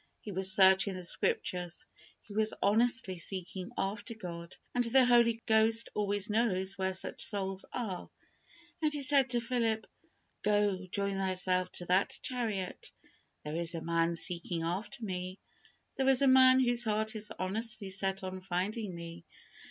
He was searching the Scriptures. He was honestly seeking after God, and the Holy Ghost always knows where such souls are; and He said to Philip, "Go, join thyself to that chariot: there is a man seeking after Me; there is a man whose heart is honestly set on finding Me.